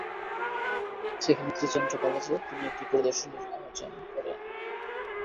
সেখানে ত্রি-চন্দ্র কলেজে তিনি একটি প্রদর্শনীর আয়োজন করেন।